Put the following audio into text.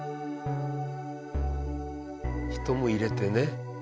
人も入れてね。